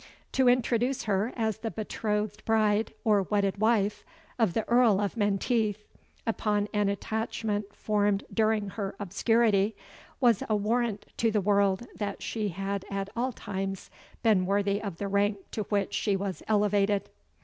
To introduce her as the betrothed bride, or wedded wife, of the Earl of Menteith, upon an attachment formed during her obscurity, was a warrant to the world that she had at all times been worthy of the rank to which she was elevated.